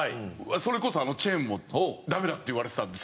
それこそあのチェーンもダメだって言われてたんですよ。